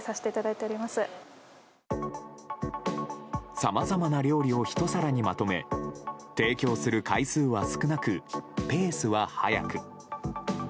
さまざまな料理を１皿にまとめ提供する回数は少なくペースは早く。